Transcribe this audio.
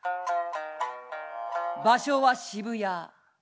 場所は渋谷。